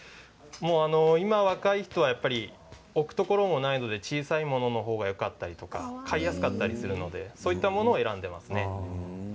今、若い人はやっぱり置くところもないので小さいもののほうがよかったりとか買いやすかったりするのでそういうものを選んでいますね。